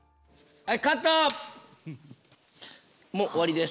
はい。